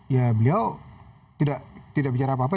ya beliau tidak bicara apa apa